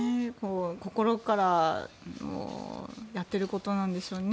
心からやっていることなんでしょうね。